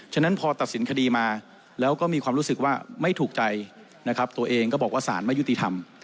ฉะนั้นพอตัดสินคดีมาแล้วก็มีความรู้สึกว่าไม่ถูกใจนะครับตัวเองก็บอกว่าสารไม่ยุติธรรม